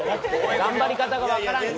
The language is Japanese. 頑張り方がわからんよ。